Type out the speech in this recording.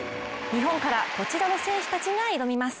日本から、こちらの選手たちが挑みます。